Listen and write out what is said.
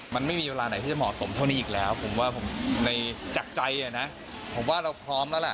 มันไม่มีเวลาไหนที่จะเหมาะสมเท่านี้อีกแล้วผมว่าผมในจากใจนะผมว่าเราพร้อมแล้วล่ะ